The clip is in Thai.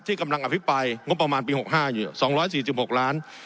ที่กำลังอภิปัยงบประมาณปีหกห้าอยู่สองร้อยสี่สิบหกล้าน